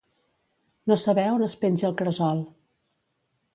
No saber on es penja el cresol.